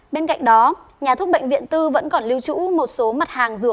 bên cạnh đó nhà thuốc bệnh viện tư vẫn còn lưu trữ một số mặt hàng dược